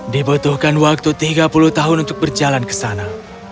dibutuhkan waktu tiga puluh tahun untuk berjalan ke sana